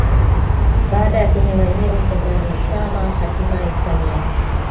Baada ya kinyanganyiro cha ndani ya chama hatimaye samia